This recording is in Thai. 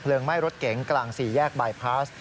เพลิงไหม้รถเก๋งกลาง๔แยกบายพาส